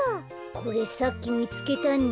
これさっきみつけたんだ。